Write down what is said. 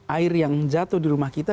air yang jatuh di rumah kita